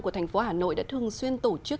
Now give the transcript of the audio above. của thành phố hà nội đã thường xuyên tổ chức